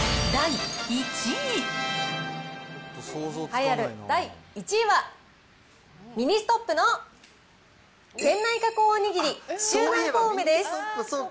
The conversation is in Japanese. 栄えある第１位は、ミニストップの店内加工おにぎり紀州南高梅です。